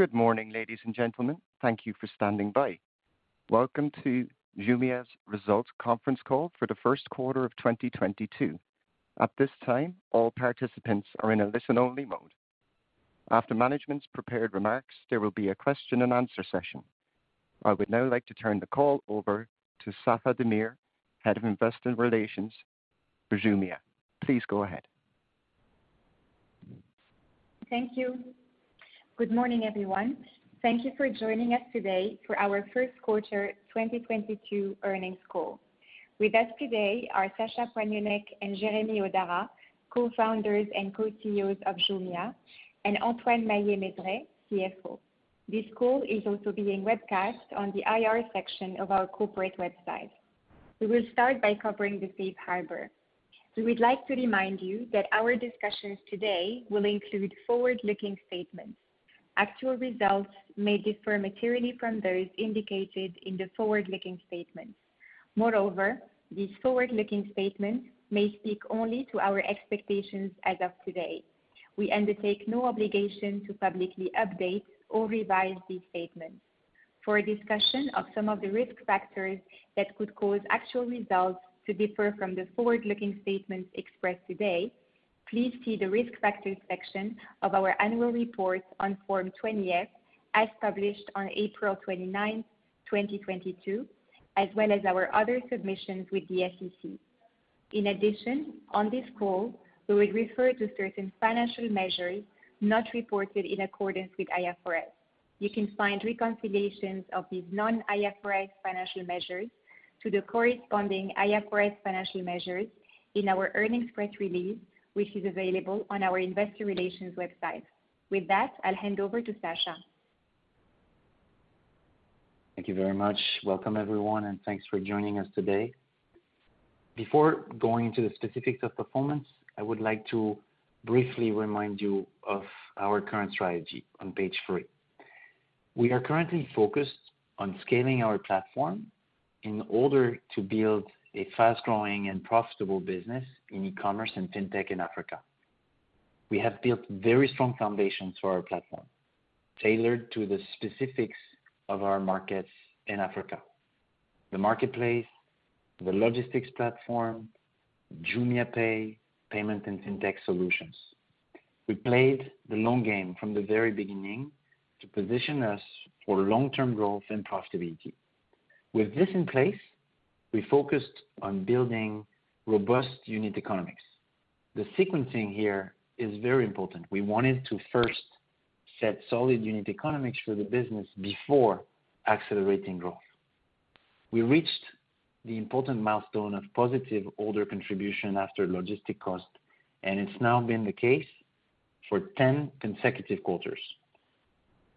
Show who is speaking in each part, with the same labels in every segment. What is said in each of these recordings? Speaker 1: Good morning, ladies and gentlemen. Thank you for standing by. Welcome to Jumia's results conference call for the first quarter of 2022. At this time, all participants are in a listen-only mode. After management's prepared remarks, there will be a question-and-answer session. I would now like to turn the call over to Safae Damir, Head of Investor Relations for Jumia. Please go ahead.
Speaker 2: Thank you. Good morning, everyone. Thank you for joining us today for our first quarter 2022 earnings call. With us today are Sacha Poignonnec and Jeremy Hodara, Co-founders and Co-CEOs of Jumia, and Antoine Maillet-Mezeray, CFO. This call is also being webcast on the IR section of our corporate website. We will start by covering the safe harbor. We would like to remind you that our discussions today will include forward-looking statements. Actual results may differ materially from those indicated in the forward-looking statements. Moreover, these forward-looking statements may speak only to our expectations as of today. We undertake no obligation to publicly update or revise these statements. For a discussion of some of the risk factors that could cause actual results to differ from the forward-looking statements expressed today, please see the Risk Factors section of our annual report on Form 20-F as published on April 29th, 2022, as well as our other submissions with the SEC. In addition, on this call, we will refer to certain financial measures not reported in accordance with IFRS. You can find reconciliations of these non-IFRS financial measures to the corresponding IFRS financial measures in our earnings press release, which is available on our investor relations website. With that, I'll hand over to Sacha.
Speaker 3: Thank you very much. Welcome, everyone, and thanks for joining us today. Before going into the specifics of performance, I would like to briefly remind you of our current strategy on page three. We are currently focused on scaling our platform in order to build a fast-growing and profitable business in e-commerce and fintech in Africa. We have built very strong foundations for our platform, tailored to the specifics of our markets in Africa. The marketplace, the logistics platform, JumiaPay, payment and fintech solutions. We played the long game from the very beginning to position us for long-term growth and profitability. With this in place, we focused on building robust unit economics. The sequencing here is very important. We wanted to first set solid unit economics for the business before accelerating growth. We reached the important milestone of positive order contribution after logistics cost, and it's now been the case for 10 consecutive quarters.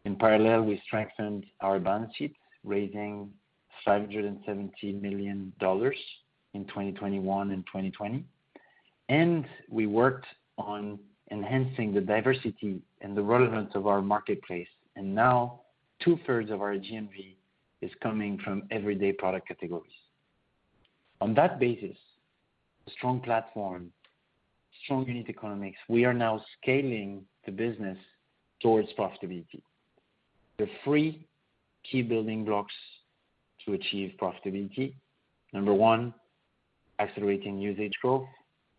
Speaker 3: In parallel, we strengthened our balance sheet, raising $570 million in 2021 and 2020, and we worked on enhancing the diversity and the relevance of our marketplace. Now 2/3 of our GMV is coming from everyday product categories. On that basis, strong platform, strong unit economics, we are now scaling the business towards profitability. The key key building blocks to achieve profitability. Number one, accelerating usage growth.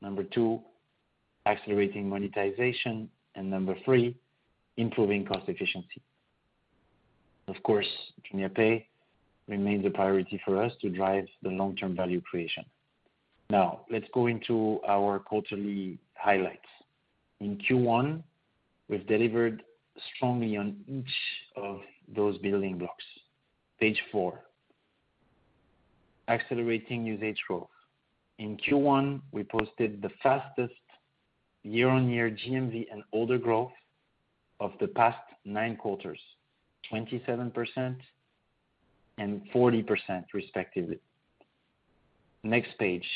Speaker 3: Number two, accelerating monetization. Number three, improving cost efficiency. Of course, JumiaPay remains a priority for us to drive the long-term value creation. Now, let's go into our quarterly highlights. In Q1, we've delivered strongly on each of those building blocks. Page four, accelerating usage growth. In Q1, we posted the fastest year-on-year GMV and order growth of the past nine quarters, 27% and 40% respectively. Next page,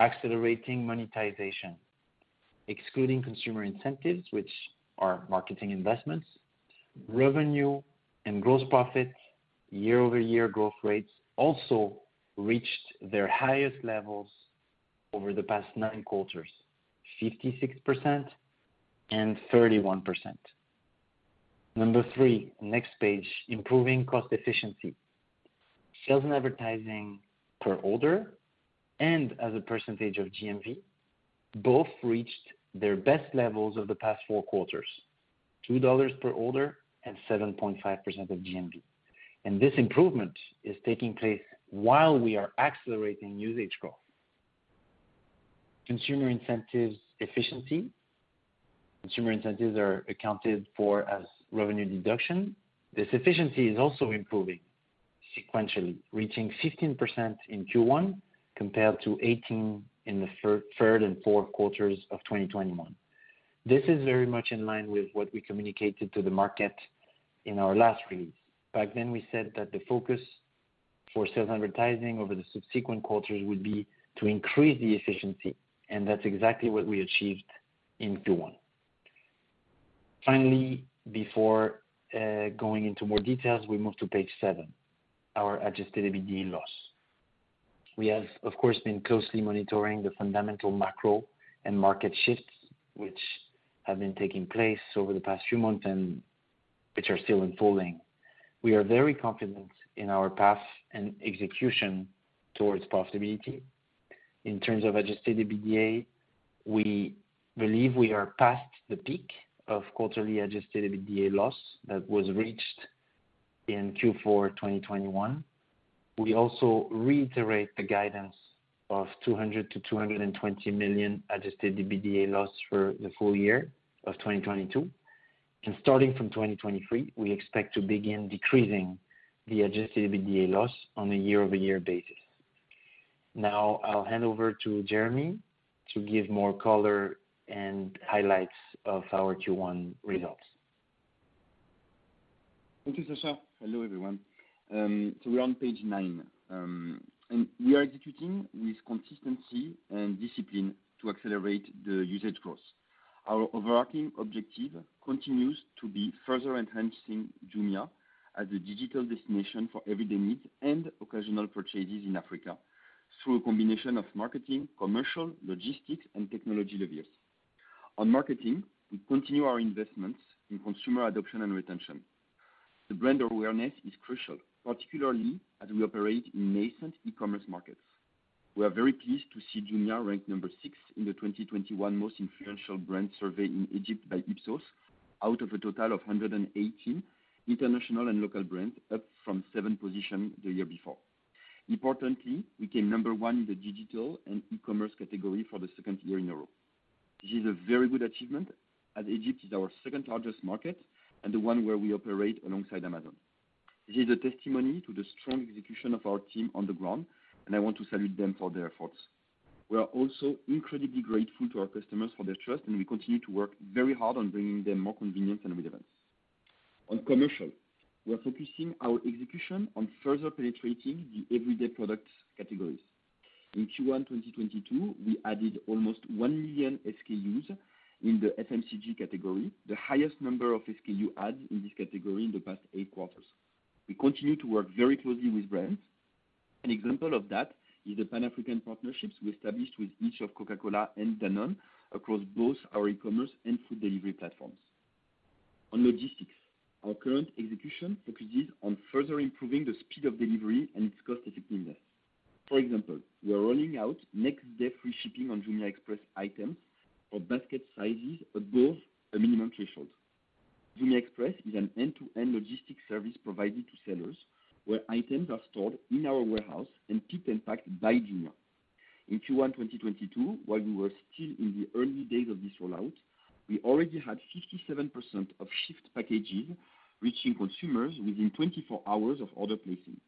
Speaker 3: accelerating monetization. Excluding consumer incentives, which are marketing investments, revenue and gross profit year-over-year growth rates also reached their highest levels over the past nine quarters, 56% and 31%. Number three, next page, improving cost efficiency. Sales and advertising per order and as a percentage of GMV both reached their best levels of the past four quarters, $2 per order and 7.5% of GMV. This improvement is taking place while we are accelerating usage growth. Consumer incentives efficiency. Consumer incentives are accounted for as revenue deduction. This efficiency is also improving sequentially, reaching 15% in Q1 compared to 18% in the third and fourth quarters of 2021. This is very much in line with what we communicated to the market in our last release. Back then, we said that the focus for sales advertising over the subsequent quarters would be to increase the efficiency, and that's exactly what we achieved in Q1. Finally, before going into more details, we move to page seven, our adjusted EBITDA loss. We have, of course, been closely monitoring the fundamental macro and market shifts which have been taking place over the past few months and which are still unfolding. We are very confident in our path and execution towards profitability. In terms of adjusted EBITDA, we believe we are past the peak of quarterly adjusted EBITDA loss that was reached in Q4, 2021. We also reiterate the guidance of $200 million-$220 million adjusted EBITDA loss for the full year of 2022. Starting from 2023, we expect to begin decreasing the adjusted EBITDA loss on a year-over-year basis. Now I'll hand over to Jeremy to give more color and highlights of our Q1 results.
Speaker 4: Thank you, Sacha. Hello, everyone. We're on page nine. We are executing with consistency and discipline to accelerate the usage growth. Our overarching objective continues to be further enhancing Jumia as a digital destination for everyday needs and occasional purchases in Africa through a combination of marketing, commercial, logistics, and technology levers. On marketing, we continue our investments in consumer adoption and retention. The brand awareness is crucial, particularly as we operate in nascent e-commerce markets. We are very pleased to see Jumia ranked number six in the 2021 Most Influential Brands in Egypt by Ipsos, out of a total of 118 international and local brands, up from seventh position the year before. Importantly, we came number one in the digital and e-commerce category for the second year in a row. This is a very good achievement, as Egypt is our second largest market and the one where we operate alongside Amazon. This is a testimony to the strong execution of our team on the ground, and I want to salute them for their efforts. We are also incredibly grateful to our customers for their trust, and we continue to work very hard on bringing them more convenience and relevance. On commercial, we are focusing our execution on further penetrating the everyday products categories. In Q1 2022, we added almost 1 million SKUs in the FMCG category, the highest number of SKU adds in this category in the past eight quarters. We continue to work very closely with brands. An example of that is the Pan-African partnerships we established with each of Coca-Cola and Danone across both our e-commerce and food delivery platforms. On logistics, our current execution focuses on further improving the speed of delivery and its cost-effectiveness. For example, we are rolling out next day free shipping on Jumia Express items or basket sizes above a minimum threshold. Jumia Express is an end-to-end logistics service provided to sellers, where items are stored in our warehouse and picked and packed by Jumia. In Q1 2022, while we were still in the early days of this rollout, we already had 57% of shipped packages reaching consumers within 24 hours of order placing.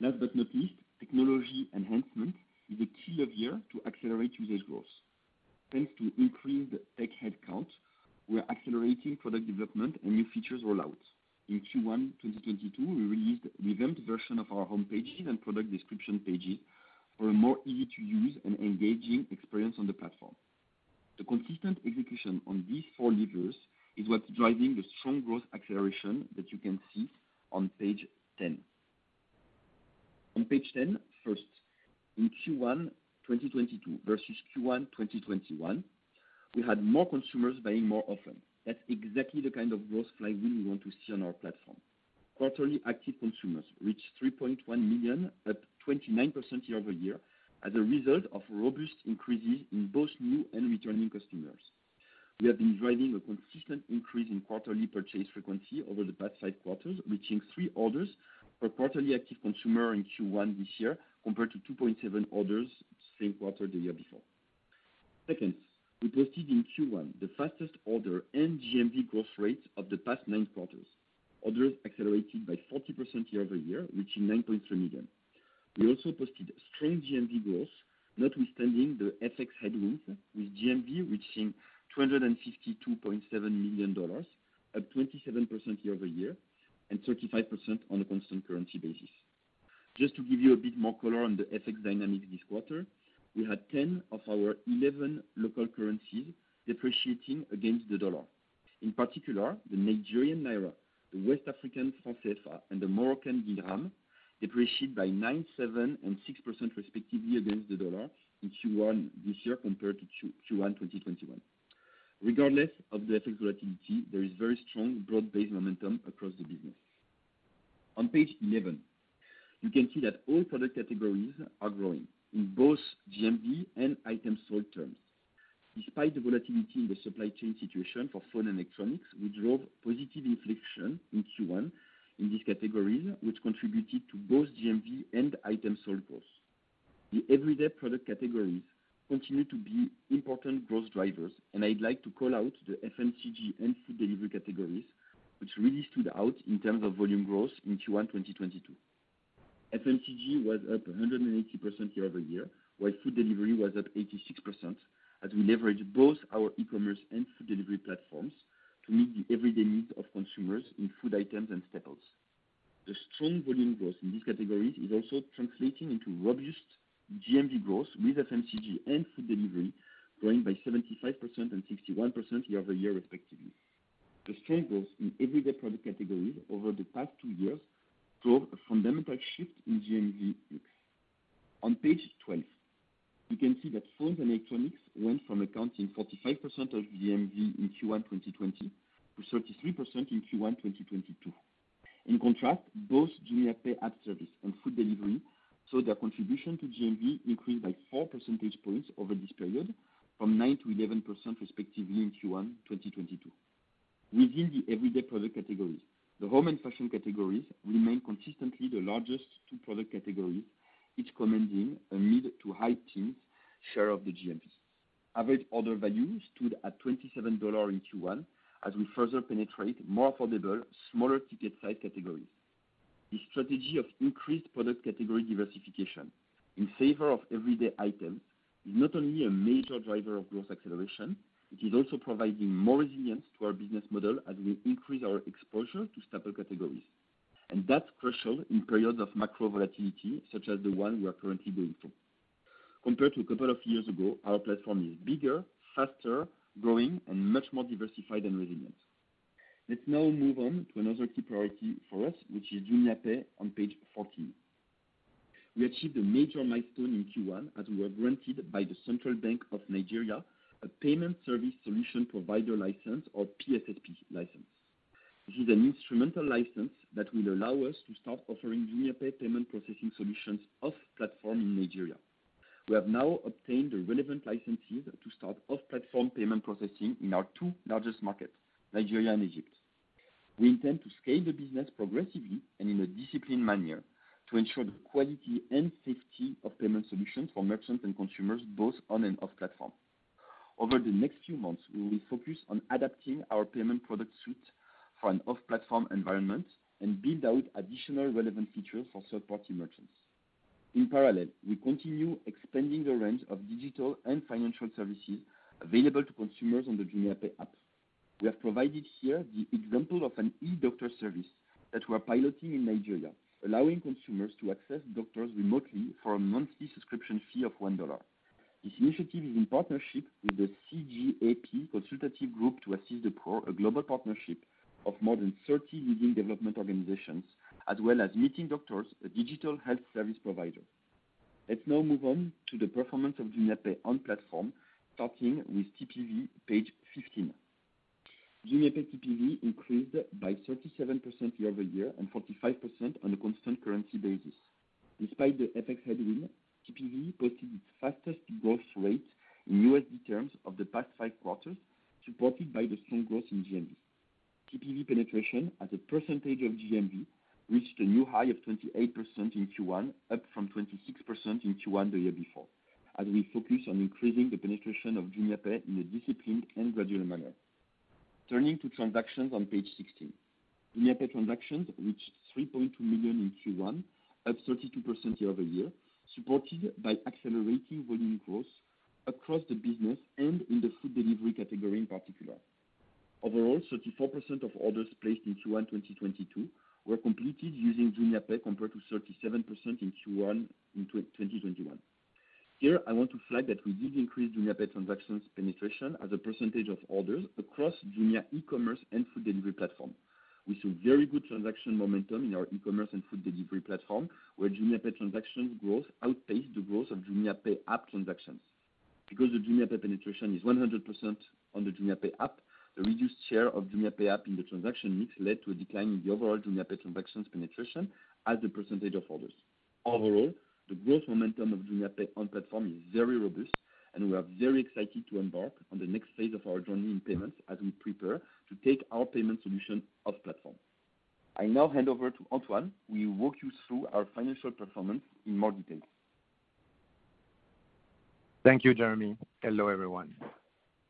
Speaker 4: Last but not least, technology enhancement is a key lever to accelerate usage growth. Thanks to increased tech headcount, we are accelerating product development and new features rollouts. In Q1 2022, we released revamped version of our home pages and product description pages for a more easy-to-use and engaging experience on the platform. The consistent execution on these four levers is what's driving the strong growth acceleration that you can see on page 10. On page 10, first, in Q1 2022 versus Q1 2021, we had more consumers buying more often. That's exactly the kind of growth flywheel we want to see on our platform. Quarterly active consumers reached 3.1 million, a 29% year-over-year as a result of robust increases in both new and returning customers. We have been driving a consistent increase in quarterly purchase frequency over the past five quarters, reaching three orders per quarterly active consumer in Q1 this year, compared to 2.7 orders same quarter the year before. Second, we posted in Q1 the fastest order and GMV growth rate of the past nine quarters. Orders accelerated by 40% year-over-year, reaching 9.3 million. We also posted strong GMV growth, notwithstanding the FX headwinds, with GMV reaching $252.7 million at 27% year-over-year and 35% on a constant currency basis. Just to give you a bit more color on the FX dynamic this quarter, we had 10 of our 11 local currencies depreciating against the dollar. In particular, the Nigerian naira, the West African CFA, and the Moroccan dirham depreciated by 9%, 7%, and 6% respectively against the dollar in Q1 this year compared to Q1 2021. Regardless of the FX volatility, there is very strong broad-based momentum across the business. On page 11, you can see that all product categories are growing in both GMV and items sold terms. Despite the volatility in the supply chain situation for phone and electronics, we drove positive inflection in Q1 in these categories, which contributed to both GMV and items sold growth. The everyday product categories continue to be important growth drivers, and I'd like to call out the FMCG and food delivery categories, which really stood out in terms of volume growth in Q1, 2022. FMCG was up 180% year-over-year, while food delivery was up 86%, as we leveraged both our e-commerce and food delivery platforms to meet the everyday needs of consumers in food items and staples. The strong volume growth in these categories is also translating into robust GMV growth, with FMCG and food delivery growing by 75% and 61% year-over-year respectively. The strength in everyday product categories over the past 2 years drove a fundamental shift in GMV mix. On page 12, you can see that phones and electronics went from accounting 45% of GMV in Q1 2020 to 33% in Q1 2022. In contrast, both JumiaPay app service and food delivery saw their contribution to GMV increase by four percentage points over this period, from 9%-11% respectively in Q1 2022. Within the everyday product categories, the home and fashion categories remain consistently the largest two product categories, each commanding a mid- to high-teens share of the GMV. Average order value stood at $27 in Q1 as we further penetrate more affordable, smaller ticket size categories. The strategy of increased product category diversification in favor of everyday items is not only a major driver of growth acceleration, it is also providing more resilience to our business model as we increase our exposure to stable categories. That's crucial in periods of macro volatility, such as the one we are currently going through. Compared to a couple of years ago, our platform is bigger, faster, growing, and much more diversified and resilient. Let's now move on to another key priority for us, which is JumiaPay on page 14. We achieved a major milestone in Q1 as we were granted by the Central Bank of Nigeria a Payment Solution Service Provider license, or PSSP license. This is a PSSP license that will allow us to start offering JumiaPay payment processing solutions off-platform in Nigeria. We have now obtained the relevant licenses to start off-platform payment processing in our two largest markets, Nigeria and Egypt. We intend to scale the business progressively and in a disciplined manner to ensure the quality and safety of payment solutions for merchants and consumers, both on and off platform. Over the next few months, we will focus on adapting our payment product suite for an off-platform environment and build out additional relevant features for third-party merchants. In parallel, we continue expanding the range of digital and financial services available to consumers on the JumiaPay app. We have provided here the example of an e-doctor service that we're piloting in Nigeria, allowing consumers to access doctors remotely for a monthly subscription fee of $1. This initiative is in partnership with the CGAP Consultative Group to Assist the Poor, a global partnership of more than 30 leading development organizations, as well as MeetingDoctors, a digital health service provider. Let's now move on to the performance of JumiaPay on platform, starting with TPV, page 15. JumiaPay TPV increased by 37% year-over-year and 45% on a constant currency basis. Despite the FX headwind, TPV posted its fastest growth rate in USD terms of the past five quarters, supported by the strong growth in GMV. TPV penetration as a percentage of GMV reached a new high of 28% in Q1, up from 26% in Q1 the year before, as we focus on increasing the penetration of JumiaPay in a disciplined and gradual manner. Turning to transactions on page 16. JumiaPay transactions reached 3.2 million in Q1, up 32% year-over-year, supported by accelerating volume growth across the business and in the food delivery category in particular. Overall, 34% of orders placed in Q1 2022 were completed using JumiaPay, compared to 37% in Q1 in 2021. Here I want to flag that we did increase JumiaPay transactions penetration as a percentage of orders across Jumia e-commerce and food delivery platform. We saw very good transaction momentum in our e-commerce and food delivery platform, where JumiaPay transactions growth outpaced the growth of JumiaPay app transactions. Because the JumiaPay penetration is 100% on the JumiaPay app, the reduced share of JumiaPay app in the transaction mix led to a decline in the overall JumiaPay transactions penetration as a percentage of orders. Overall, the growth momentum of JumiaPay on platform is very robust, and we are very excited to embark on the next phase of our journey in payments as we prepare to take our payment solution off platform. I now hand over to Antoine, who will walk you through our financial performance in more details.
Speaker 5: Thank you, Jeremy. Hello, everyone.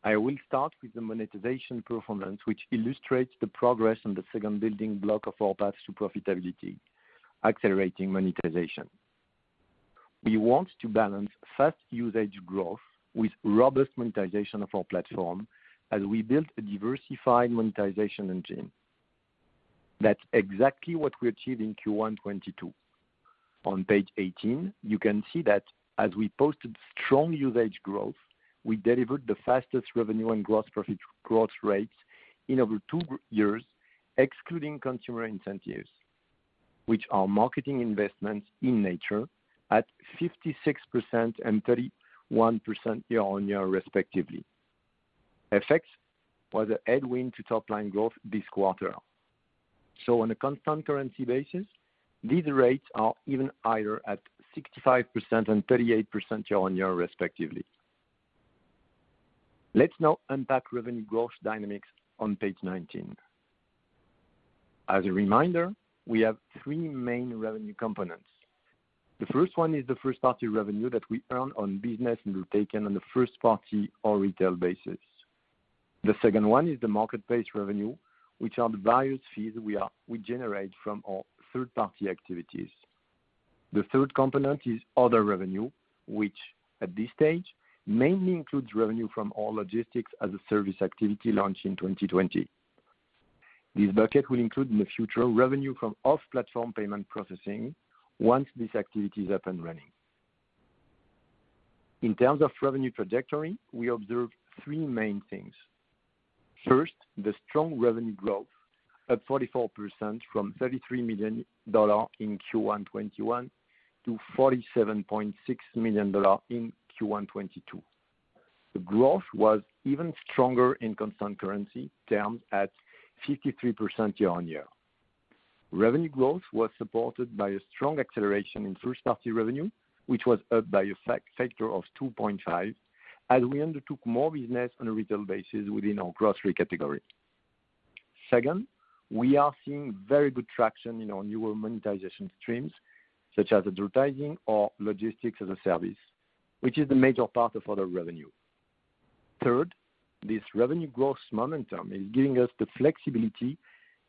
Speaker 5: I will start with the monetization performance, which illustrates the progress on the second building block of our path to profitability, accelerating monetization. We want to balance fast usage growth with robust monetization of our platform as we build a diversified monetization engine. That's exactly what we achieved in Q1 2022. On page 18, you can see that as we posted strong usage growth, we delivered the fastest revenue and gross profit growth rates in over 2 years, excluding consumer incentives, which are marketing investments in nature at 56% and 31% year-on-year, respectively. FX was a headwind to top line growth this quarter. On a constant currency basis, these rates are even higher at 65% and 38% year-on-year, respectively. Let's now unpack revenue growth dynamics on page 19. As a reminder, we have three main revenue components. The first one is the first party revenue that we earn on business we've taken on the first party or retail basis. The second one is the marketplace revenue, which are the various fees we generate from our third party activities. The third component is other revenue, which at this stage mainly includes revenue from our logistics as a service activity launched in 2020. This bucket will include in the future revenue from off-platform payment processing once this activity is up and running. In terms of revenue trajectory, we observe three main things. First, the strong revenue growth at 44% from $33 million in Q1 2021 to $47.6 million in Q1 2022. The growth was even stronger in constant currency terms at 53% year-on-year. Revenue growth was supported by a strong acceleration in first-party revenue, which was up by a factor of 2.5x, as we undertook more business on a retail basis within our grocery category. Second, we are seeing very good traction in our newer monetization streams, such as advertising or logistics as a service, which is a major part of other revenue. Third, this revenue growth momentum is giving us the flexibility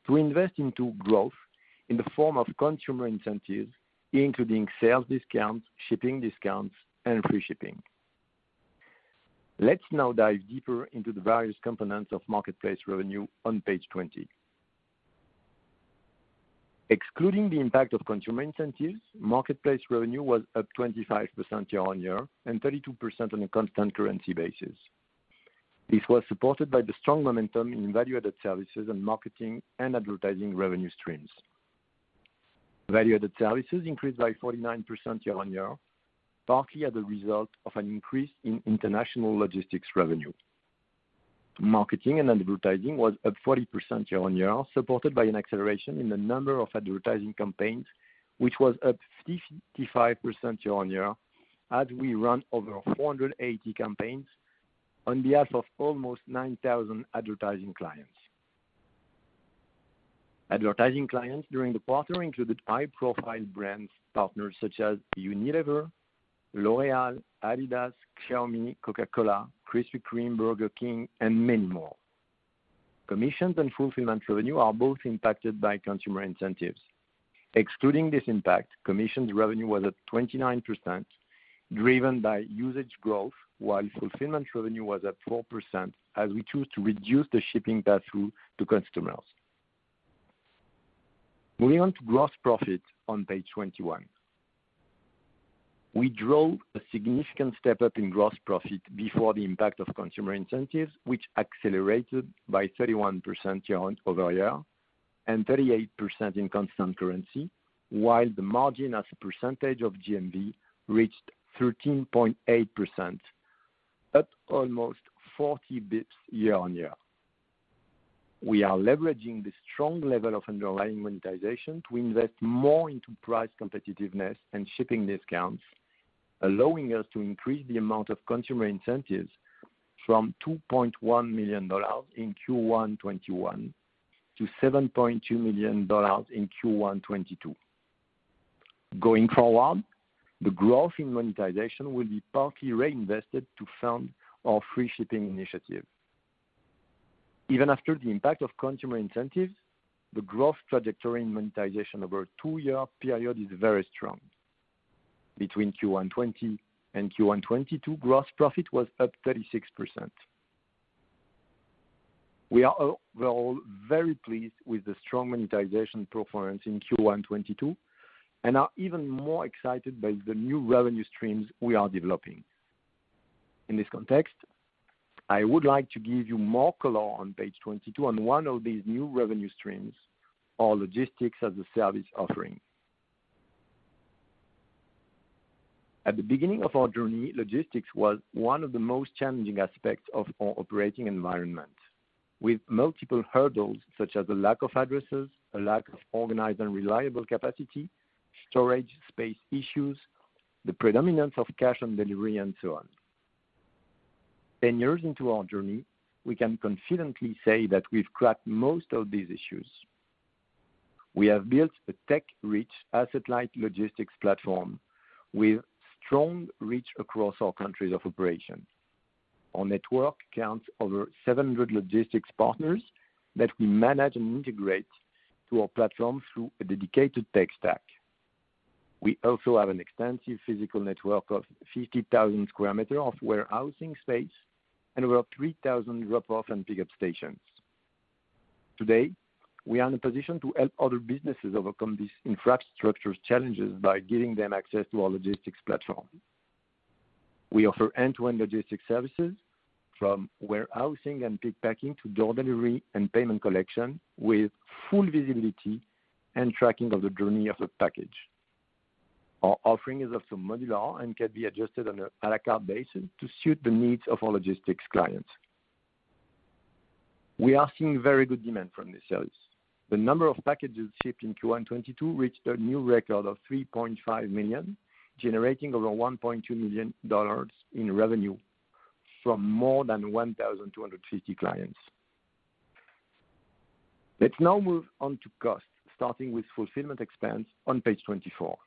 Speaker 5: to invest into growth in the form of consumer incentives, including sales discounts, shipping discounts, and free shipping. Let's now dive deeper into the various components of marketplace revenue on page 20. Excluding the impact of consumer incentives, marketplace revenue was up 25% year-on-year and 32% on a constant currency basis. This was supported by the strong momentum in value-added services and marketing and advertising revenue streams. Value-added services increased by 49% year-on-year, partly as a result of an increase in international logistics revenue. Marketing and advertising was up 40% year-on-year, supported by an acceleration in the number of advertising campaigns, which was up 55% year-on-year as we run over 480 campaigns on behalf of almost 9,000 advertising clients. Advertising clients during the quarter included high-profile brands partners such as Unilever, L'Oréal, Adidas, Xiaomi, Coca-Cola, Krispy Kreme, Burger King, and many more. Commissions and fulfillment revenue are both impacted by consumer incentives. Excluding this impact, commissions revenue was at 29%, driven by usage growth, while fulfillment revenue was at 4% as we chose to reduce the shipping pass-through to customers. Moving on to gross profit on page 21. We drove a significant step-up in gross profit before the impact of consumer incentives, which accelerated by 31% year-over-year and 38% in constant currency, while the margin as a percentage of GMV reached 13.8%, up almost 40 bps year-over-year. We are leveraging this strong level of underlying monetization to invest more into price competitiveness and shipping discounts, allowing us to increase the amount of consumer incentives from $2.1 million in Q1 2021 to $7.2 million in Q1 2022. Going forward, the growth in monetization will be partly reinvested to fund our free shipping initiative. Even after the impact of consumer incentives, the growth trajectory in monetization over a two-year period is very strong. Between Q1 2020 and Q1 2022, gross profit was up 36%. We're all very pleased with the strong monetization performance in Q1 2022 and are even more excited by the new revenue streams we are developing. In this context, I would like to give you more color on page 22 on one of these new revenue streams, our logistics as a service offering. At the beginning of our journey, logistics was one of the most challenging aspects of our operating environment, with multiple hurdles such as the lack of addresses, a lack of organized and reliable capacity, storage space issues, the predominance of cash on delivery, and so on. 10 years into our journey, we can confidently say that we've cracked most of these issues. We have built a tech-rich asset-light logistics platform with strong reach across our countries of operation. Our network counts over 700 logistics partners that we manage and integrate to our platform through a dedicated tech stack. We also have an extensive physical network of 50,000 sq m of warehousing space and over 3,000 drop-off and pickup stations. Today, we are in a position to help other businesses overcome these infrastructure challenges by giving them access to our logistics platform. We offer end-to-end logistics services from warehousing and pick and pack to door delivery and payment collection with full visibility and tracking of the journey of the package. Our offering is also modular and can be adjusted on a à la carte basis to suit the needs of our logistics clients. We are seeing very good demand from this service. The number of packages shipped in Q1 2022 reached a new record of 3.5 million, generating over $1.2 million in revenue from more than 1,250 clients. Let's now move on to costs, starting with fulfillment expense on page 24.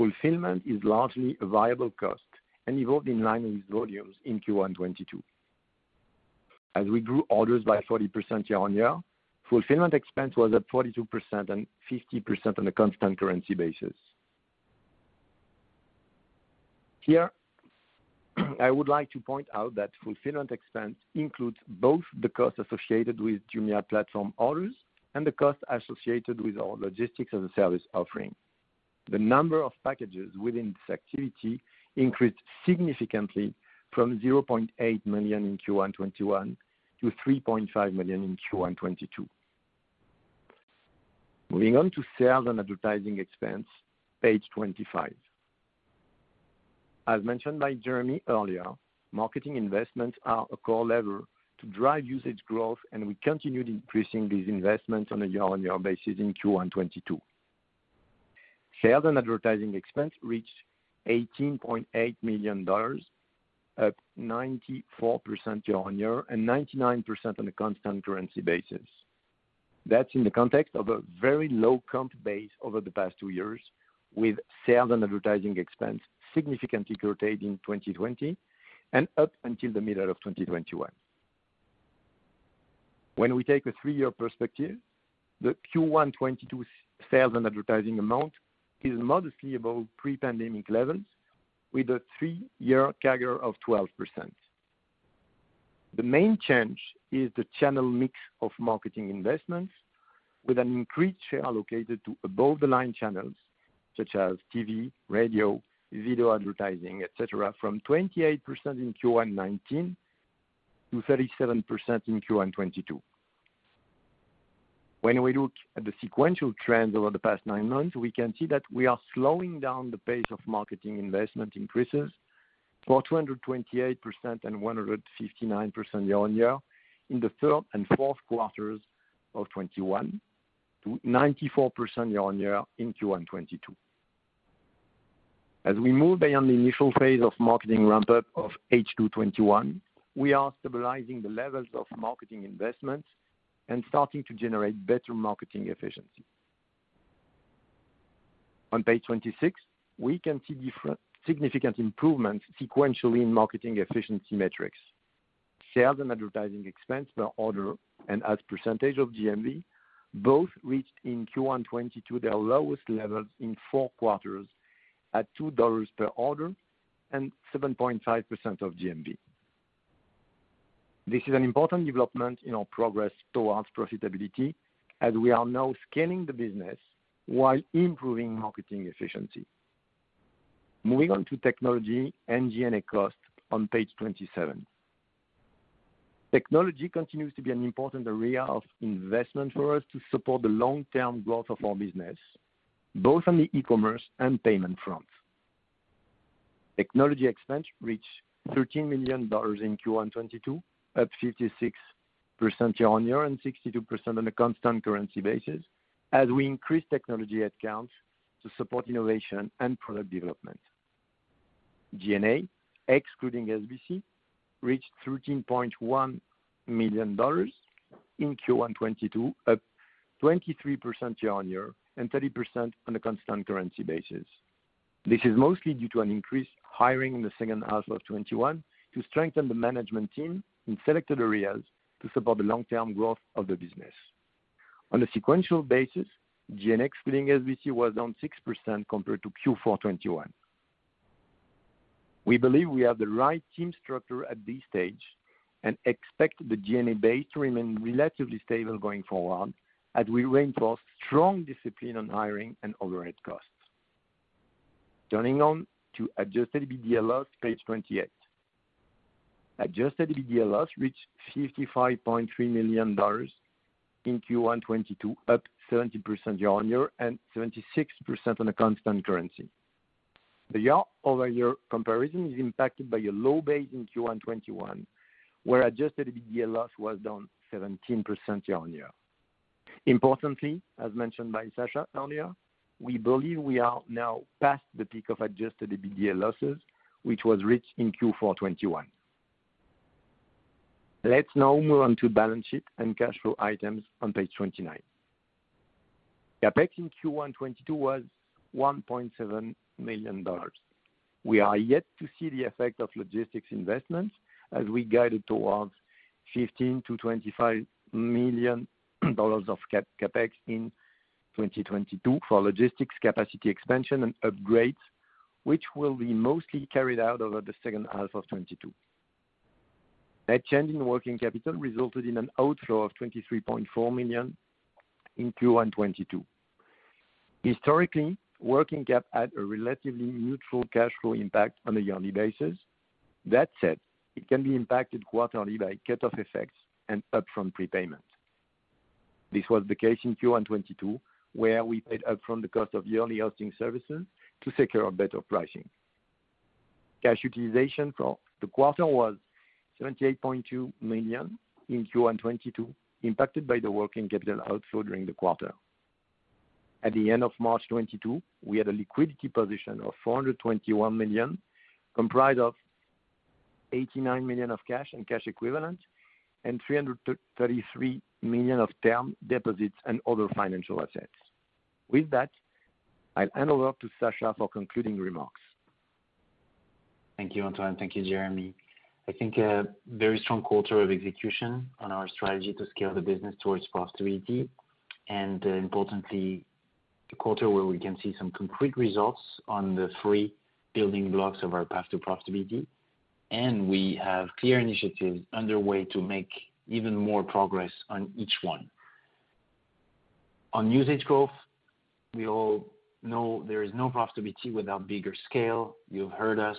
Speaker 5: Fulfillment is largely a variable cost and evolved in line with volumes in Q1 2022. As we grew orders by 40% year-on-year, fulfillment expense was up 42% and 50% on a constant currency basis. Here, I would like to point out that fulfillment expense includes both the costs associated with Jumia platform orders and the costs associated with our logistics as a service offering. The number of packages within this activity increased significantly from 0.8 million in Q1 2021 to 3.5 million in Q1 2022. Moving on to sales and advertising expense, page 25. As mentioned by Jeremy earlier, marketing investments are a core lever to drive usage growth, and we continued increasing these investments on a year-on-year basis in Q1 2022. Sales and advertising expense reached $18.8 million, up 94% year-on-year and 99% on a constant currency basis. That's in the context of a very low comp base over the past 2 years, with sales and advertising expense significantly reduced in 2020 and up until the middle of 2021. When we take a 3-year perspective, the Q1 2022 sales and advertising amount is modestly above pre-pandemic levels with a 3-year CAGR of 12%. The main change is the channel mix of marketing investments with an increased share allocated to above the line channels such as TV, radio, video advertising, etc., from 28% in Q1 2019 to 37% in Q1 2022. When we look at the sequential trends over the past nine months, we can see that we are slowing down the pace of marketing investment increases for 228% and 159% year-on-year in the third and fourth quarters of 2021 to 94% year-on-year in Q1 2022. As we move beyond the initial phase of marketing ramp-up of H2 2021, we are stabilizing the levels of marketing investments and starting to generate better marketing efficiency. On page 26, we can see significant improvements sequentially in marketing efficiency metrics. Sales and advertising expense per order and as a percentage of GMV both reached in Q1 2022 their lowest levels in four quarters at $2 per order and 7.5% of GMV. This is an important development in our progress towards profitability as we are now scaling the business while improving marketing efficiency. Moving on to technology and G&A costs on page 27. Technology continues to be an important area of investment for us to support the long-term growth of our business, both on the e-commerce and payment front. Technology expense reached $13 million in Q1 2022, up 56% year-on-year and 62% on a constant currency basis as we increase technology headcounts to support innovation and product development. G&A, excluding SBC, reached $13.1 million in Q1 2022, up 23% year-on-year and 30% on a constant currency basis. This is mostly due to an increased hiring in the second half of 2021 to strengthen the management team in selected areas to support the long-term growth of the business. On a sequential basis, G&A excluding SBC was down 6% compared to Q4 2021. We believe we have the right team structure at this stage and expect the G&A base to remain relatively stable going forward as we reinforce strong discipline on hiring and overhead costs. Turning on to adjusted EBITDA loss, page 28. Adjusted EBITDA loss reached $55.3 million in Q1 2022, up 70% year-on-year and 76% on a constant currency. The year-over-year comparison is impacted by a low base in Q1 2021, where adjusted EBITDA loss was down 17% year-on-year. Importantly, as mentioned by Sacha earlier, we believe we are now past the peak of adjusted EBITDA losses, which was reached in Q4 2021. Let's now move on to balance sheet and cash flow items on page 29. CapEx in Q1 2022 was $1.7 million. We are yet to see the effect of logistics investments as we guided towards $15 million-$25 million of CapEx in 2022 for logistics capacity expansion and upgrades, which will be mostly carried out over the second half of 2022. Net change in working capital resulted in an outflow of $23.4 million in Q1 2022. Historically, working cap had a relatively neutral cash flow impact on a yearly basis. That said, it can be impacted quarterly by cut-off effects and upfront prepayment. This was the case in Q1 2022, where we paid upfront the cost of yearly hosting services to secure a better pricing. Cash utilization for the quarter was $78.2 million in Q1 2022, impacted by the working capital outflow during the quarter. At the end of March 2022, we had a liquidity position of $421 million, comprised of $89 million of cash and cash equivalents and $333 million of term deposits and other financial assets. With that, I'll hand over to Sacha for concluding remarks.
Speaker 3: Thank you, Antoine. Thank you, Jeremy. I think a very strong quarter of execution on our strategy to scale the business towards profitability and, importantly, the quarter where we can see some concrete results on the three building blocks of our path to profitability, and we have clear initiatives underway to make even more progress on each one. On usage growth, we all know there is no profitability without bigger scale. You've heard us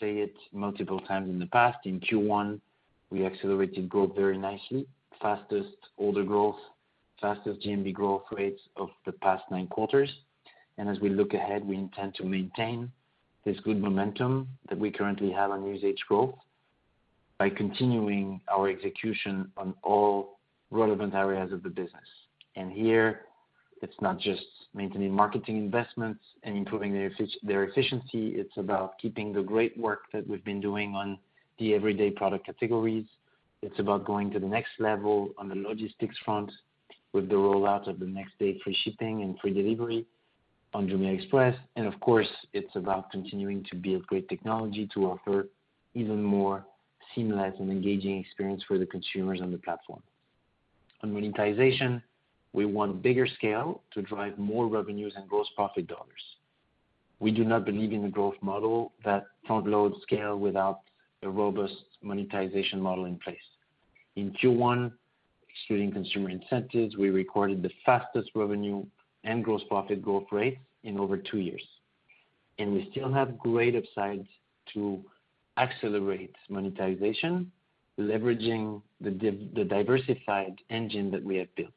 Speaker 3: say it multiple times in the past. In Q1, we accelerated growth very nicely. Fastest order growth, fastest GMV growth rates of the past nine quarters. As we look ahead, we intend to maintain this good momentum that we currently have on usage growth by continuing our execution on all relevant areas of the business. Here, it's not just maintaining marketing investments and improving their efficiency. It's about keeping the great work that we've been doing on the everyday product categories. It's about going to the next level on the logistics front with the rollout of the next day free shipping and free delivery on Jumia Express. Of course, it's about continuing to build great technology to offer even more seamless and engaging experience for the consumers on the platform. On monetization, we want bigger scale to drive more revenues and gross profit dollars. We do not believe in the growth model that front-load scale without a robust monetization model in place. In Q1, excluding consumer incentives, we recorded the fastest revenue and gross profit growth rates in over 2 years, and we still have great upsides to accelerate monetization, leveraging the diversified engine that we have built.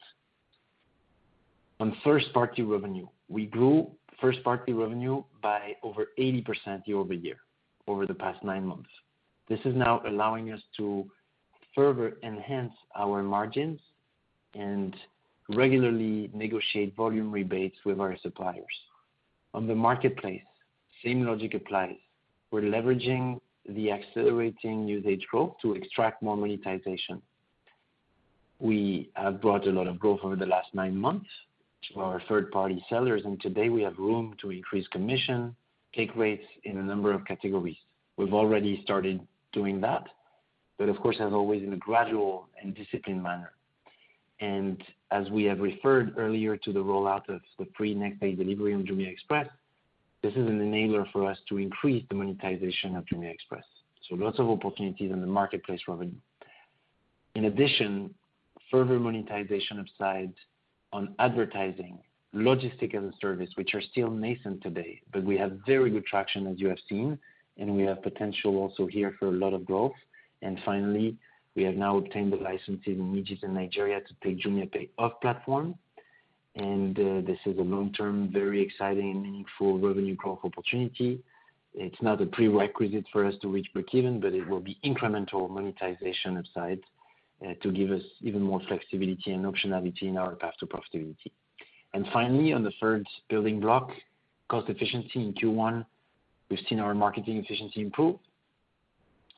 Speaker 3: On first-party revenue, we grew first-party revenue by over 80% year-over-year over the past nine months. This is now allowing us to further enhance our margins and regularly negotiate volume rebates with our suppliers. On the marketplace, same logic applies. We're leveraging the accelerating usage growth to extract more monetization. We have brought a lot of growth over the last nine months to our third-party sellers, and today we have room to increase commission take rates in a number of categories. We've already started doing that, but of course, as always in a gradual and disciplined manner. As we have referred earlier to the rollout of the free next day delivery on Jumia Express, this is an enabler for us to increase the monetization of Jumia Express. Lots of opportunities in the marketplace revenue. In addition, further monetization upsides on advertising, logistics as a service, which are still nascent today, but we have very good traction as you have seen, and we have potential also here for a lot of growth. Finally, we have now obtained the licenses in Egypt and Nigeria to take JumiaPay off platform. This is a long-term, very exciting and meaningful revenue growth opportunity. It's not a prerequisite for us to reach breakeven, but it will be incremental monetization upside to give us even more flexibility and optionality in our path to profitability. Finally, on the third building block, cost efficiency in Q1, we've seen our marketing efficiency improve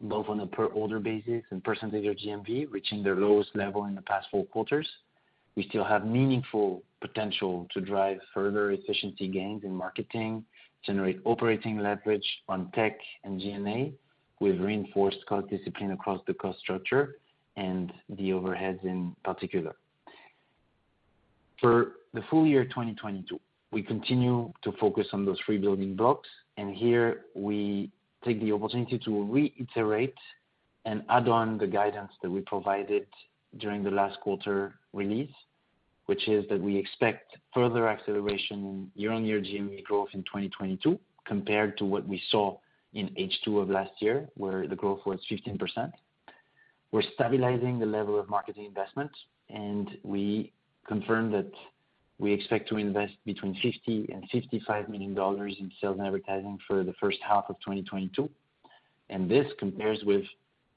Speaker 3: both on a per order basis and percentage of GMV, reaching their lowest level in the past four quarters. We still have meaningful potential to drive further efficiency gains in marketing, generate operating leverage on tech and G&A with reinforced cost discipline across the cost structure and the overheads in particular. For the full year 2022, we continue to focus on those three building blocks, and here we take the opportunity to reiterate and add on the guidance that we provided during the last quarter release, which is that we expect further acceleration in year-on-year GMV growth in 2022 compared to what we saw in H2 of last year where the growth was 15%. We're stabilizing the level of marketing investment, and we confirm that we expect to invest between $50 million and $55 million in sales and advertising for the first half of 2022, and this compares with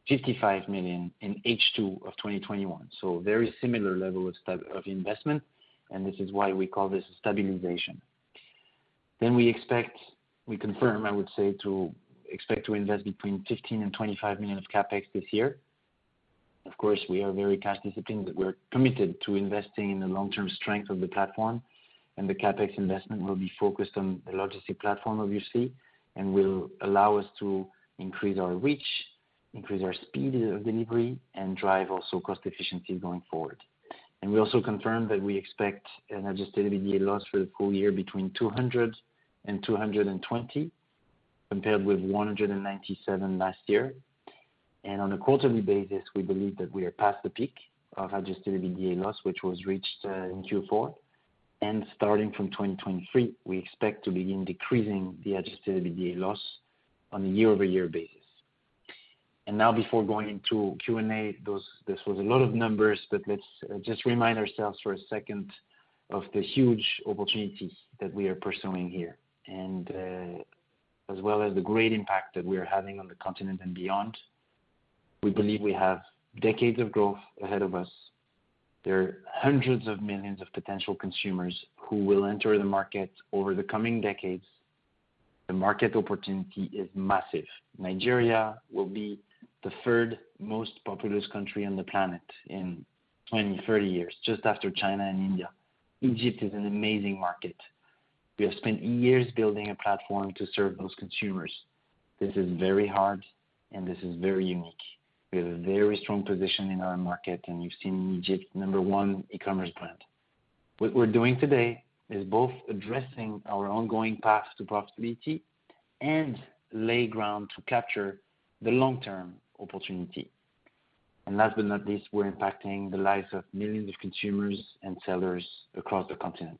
Speaker 3: $55 million in H2 of 2021. Very similar level of investment, and this is why we call this a stabilization. We expect, we confirm, I would say, to expect to invest between $15 million and $25 million of CapEx this year. Of course, we are very cash-disciplined, but we're committed to investing in the long-term strength of the platform, and the CapEx investment will be focused on the logistics platform, obviously, and will allow us to increase our reach, increase our speed of delivery, and drive also cost efficiency going forward. We also confirm that we expect an adjusted EBITDA loss for the full year between $200 million and $220 million, compared with $197 million last year. On a quarterly basis, we believe that we are past the peak of adjusted EBITDA loss, which was reached in Q4. Starting from 2023, we expect to begin decreasing the adjusted EBITDA loss on a year-over-year basis. Now before going into Q&A, this was a lot of numbers, but let's just remind ourselves for a second of the huge opportunities that we are pursuing here and, as well as the great impact that we are having on the continent and beyond. We believe we have decades of growth ahead of us. There are hundreds of millions of potential consumers who will enter the market over the coming decades. The market opportunity is massive. Nigeria will be the third most populous country on the planet in 30 years, just after China and India. Egypt is an amazing market. We have spent years building a platform to serve those consumers. This is very hard, and this is very unique. We have a very strong position in our market, and you've seen Egypt's number one e-commerce brand. What we're doing today is both addressing our ongoing path to profitability and lay ground to capture the long-term opportunity. Last but not least, we're impacting the lives of millions of consumers and sellers across the continent.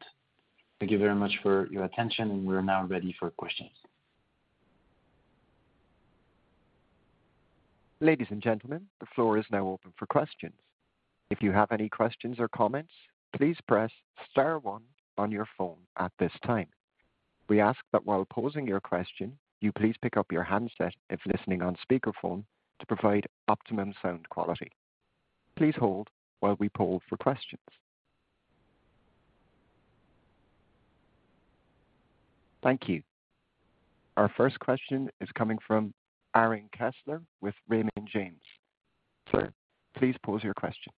Speaker 3: Thank you very much for your attention, and we're now ready for questions.
Speaker 1: Ladies and gentlemen, the floor is now open for questions. If you have any questions or comments, please press star one on your phone at this time. We ask that while posing your question, you please pick up your handset if listening on speakerphone to provide optimum sound quality. Please hold while we poll for questions. Thank you. Our first question is coming from Aaron Kessler with Raymond James. Sir, please pose your question.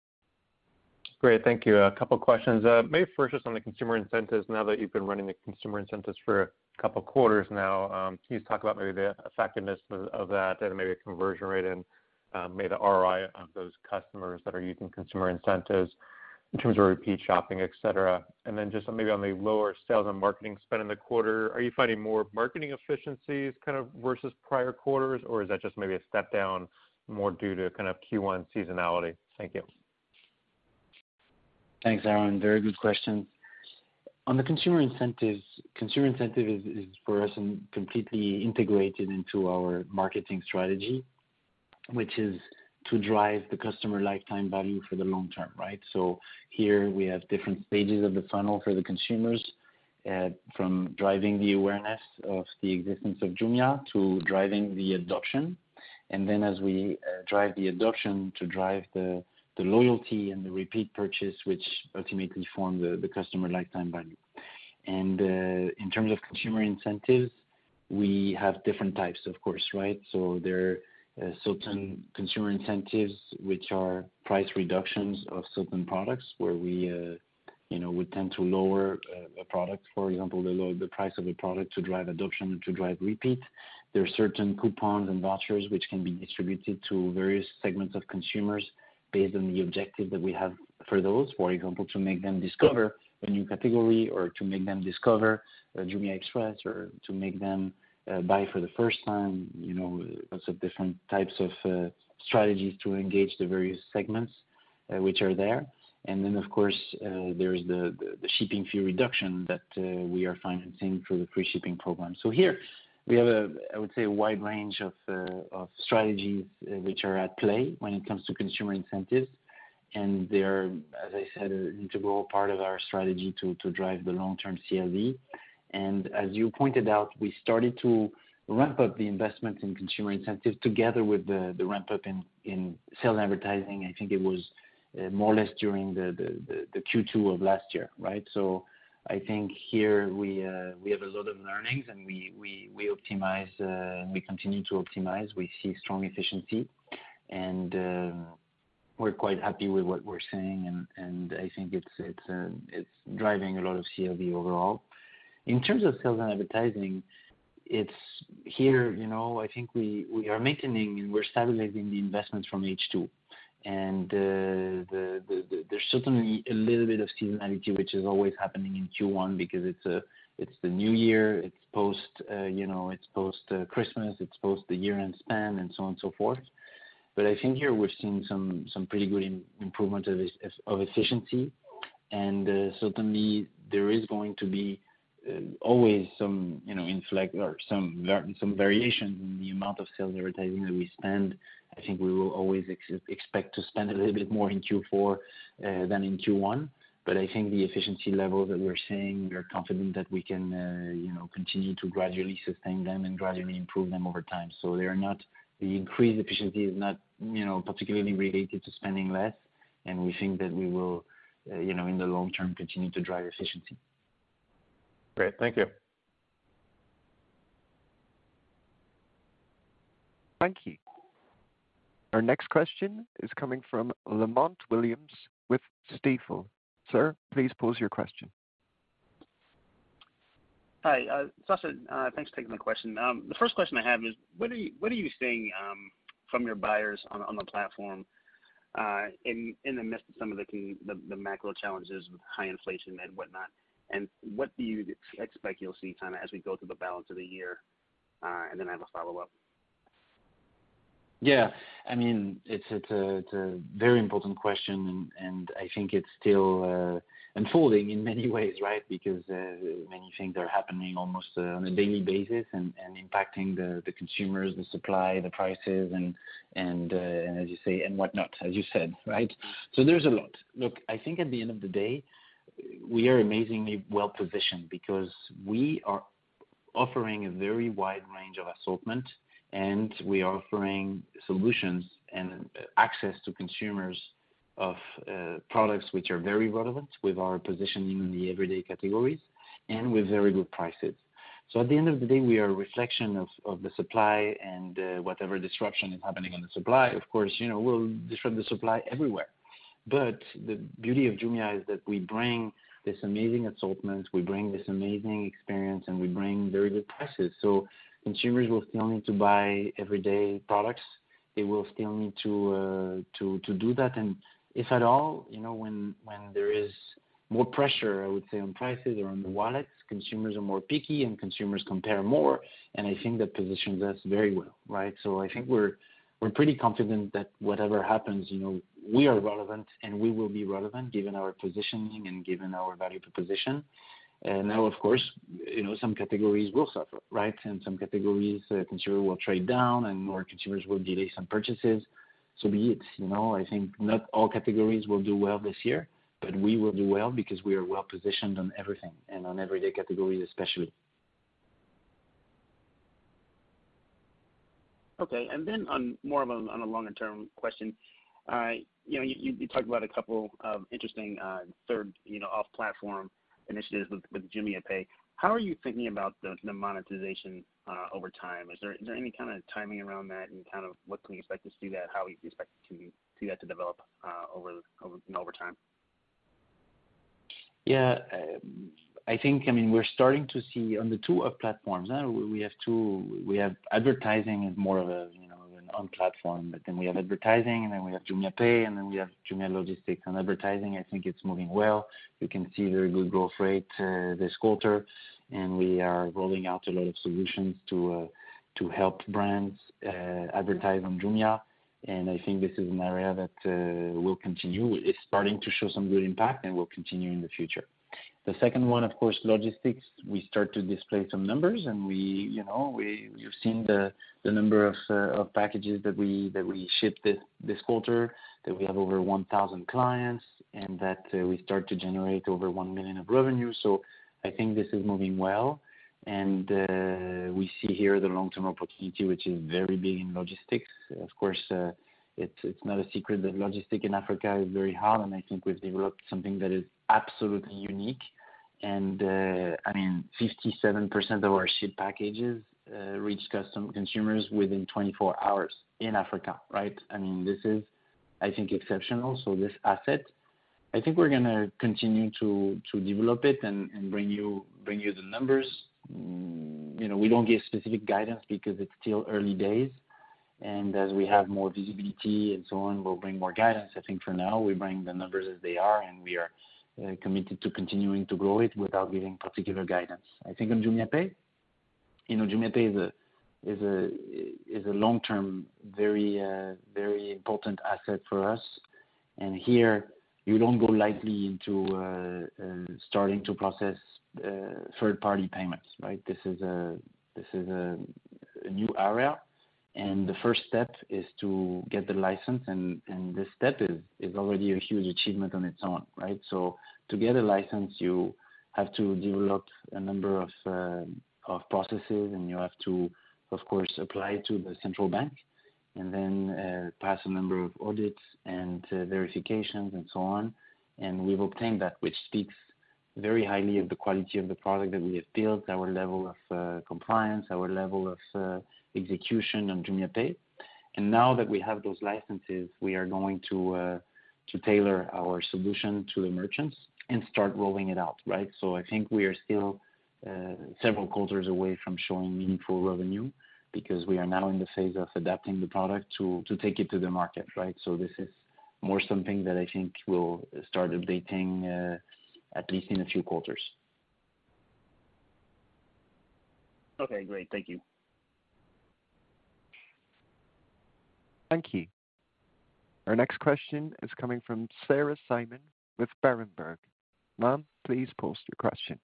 Speaker 6: Great. Thank you. A couple questions. Maybe first, just on the consumer incentives, now that you've been running the consumer incentives for a couple quarters now, can you just talk about maybe the effectiveness of that and maybe the conversion rate and maybe the ROI of those customers that are using consumer incentives in terms of repeat shopping, etc.? Then just maybe on the lower sales and marketing spend in the quarter, are you finding more marketing efficiencies kind of versus prior quarters, or is that just maybe a step down more due to kind of Q1 seasonality? Thank you.
Speaker 3: Thanks, Aaron. Very good question. On the consumer incentives, consumer incentive is for us completely integrated into our marketing strategy, which is to drive the customer lifetime value for the long term, right? Here we have different stages of the funnel for the consumers from driving the awareness of the existence of Jumia to driving the adoption. Then as we drive the adoption to drive the loyalty and the repeat purchase, which ultimately form the customer lifetime value. In terms of consumer incentives, we have different types of course, right? There are certain consumer incentives which are price reductions of certain products where we you know we tend to lower a product. For example, we lower the price of a product to drive adoption and to drive repeat. There are certain coupons and vouchers which can be distributed to various segments of consumers based on the objective that we have for those. For example, to make them discover a new category or to make them discover Jumia Express, or to make them buy for the first time, you know, lots of different types of strategies to engage the various segments which are there. Of course, there is the shipping fee reduction that we are financing through the free shipping program. Here we have, I would say, a wide range of strategies which are at play when it comes to consumer incentives. They are, as I said, an integral part of our strategy to drive the long-term CLV. As you pointed out, we started to ramp up the investment in consumer incentives together with the ramp up in sales advertising. I think it was more or less during the Q2 of last year, right? I think here we have a lot of learnings, and we optimize, we continue to optimize. We see strong efficiency and we're quite happy with what we're seeing, and I think it's driving a lot of CLV overall. In terms of sales and advertising, it's here, you know, I think we are maintaining and we're stabilizing the investments from H2. There's certainly a little bit of seasonality, which is always happening in Q1 because it's the new year, it's post, you know, it's post, Christmas, it's post the year-end spend and so on and so forth. I think here we're seeing some pretty good improvements of efficiency. Certainly there is going to be always some, you know, variation in the amount of sales advertising that we spend. I think we will always expect to spend a little bit more in Q4 than in Q1. I think the efficiency level that we're seeing, we are confident that we can, you know, continue to gradually sustain them and gradually improve them over time. They are not. The increased efficiency is not, you know, particularly related to spending less, and we think that we will, you know, in the long term, continue to drive efficiency.
Speaker 6: Great. Thank you.
Speaker 1: Thank you. Our next question is coming from Lamont Williams with Stifel. Sir, please pose your question.
Speaker 7: Hi, Sacha, thanks for taking my question. The first question I have is, what are you seeing from your buyers on the platform in the midst of some of the macro challenges with high inflation and whatnot? What do you expect you'll see kinda as we go through the balance of the year? I have a follow-up.
Speaker 3: Yeah. I mean, it's a very important question, and I think it's still unfolding in many ways, right? Because many things are happening almost on a daily basis and impacting the consumers, the supply, the prices, and as you say, and whatnot, as you said, right? So there's a lot. Look, I think at the end of the day, we are amazingly well positioned because we are offering a very wide range of assortment, and we are offering solutions and access to consumers of products which are very relevant with our positioning in the everyday categories and with very good prices. So at the end of the day, we are a reflection of the supply and whatever disruption is happening on the supply. Of course, you know, we'll disrupt the supply everywhere. The beauty of Jumia is that we bring this amazing assortment, we bring this amazing experience, and we bring very good prices. Consumers will still need to buy everyday products. They will still need to do that. If at all, when there is more pressure, I would say on prices or on the wallets, consumers are more picky and consumers compare more, and I think that positions us very well, right? I think we're pretty confident that whatever happens, we are relevant and we will be relevant given our positioning and given our value proposition. Now of course, some categories will suffer, right? Some categories, consumers will trade down and more consumers will delay some purchases. Be it. You know, I think not all categories will do well this year, but we will do well because we are well-positioned on everything and on everyday categories, especially.
Speaker 7: Okay. On a longer-term question. You know, you talked about a couple of interesting third-party, you know, off-platform initiatives with JumiaPay. How are you thinking about the monetization over time? Is there any kind of timing around that and kind of what can we expect to see that? How do we expect that to develop, you know, over time?
Speaker 3: Yeah. I think, I mean, we're starting to see on the two off platforms. We have advertising is more of a, you know, an on-platform. Then we have advertising, and then we have JumiaPay, and then we have Jumia Logistics. On advertising, I think it's moving well. We can see very good growth rate this quarter, and we are rolling out a lot of solutions to help brands advertise on Jumia. I think this is an area that will continue. It's starting to show some good impact and will continue in the future. The second one, of course, logistics. We start to display some numbers, and we, you know, we've seen the number of packages that we shipped this quarter, that we have over 1,000 clients and that we start to generate over $1 million of revenue. I think this is moving well. We see here the long-term opportunity, which is very big in logistics. Of course, it's not a secret that logistics in Africa is very hard, and I think we've developed something that is absolutely unique and, I mean, 57% of our shipped packages reach consumers within 24 hours in Africa, right? I mean, this is, I think, exceptional. This asset, I think we're gonna continue to develop it and bring you the numbers. You know, we don't give specific guidance because it's still early days. As we have more visibility and so on, we'll bring more guidance. I think for now we bring the numbers as they are, and we are committed to continuing to grow it without giving particular guidance. I think on JumiaPay, you know, JumiaPay is a long-term, very important asset for us. Here you don't go lightly into starting to process third party payments, right? This is a new area, and the first step is to get the license and this step is already a huge achievement on its own, right? To get a license you have to develop a number of processes and you have to of course apply to the central bank and then pass a number of audits and verifications and so on. We've obtained that, which speaks very highly of the quality of the product that we have built, our level of compliance, our level of execution on JumiaPay. Now that we have those licenses, we are going to to tailor our solution to the merchants and start rolling it out, right? I think we are still several quarters away from showing meaningful revenue because we are now in the phase of adapting the product to take it to the market, right? This is more something that I think will start updating at least in a few quarters.
Speaker 7: Okay, great. Thank you.
Speaker 1: Thank you. Our next question is coming from Sarah Simon with Berenberg. Ma'am, please pose your question.